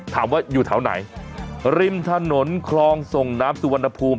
ถามว่าอยู่แถวไหนริมถนนคลองส่งน้ำสุวรรณภูมิ